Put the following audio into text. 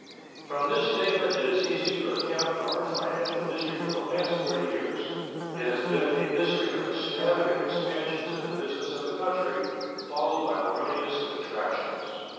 From this statement it is easy to account for our financial history for the last forty years. It has been a history of extravagant expansions in the business of the country, followed by ruinous contractions.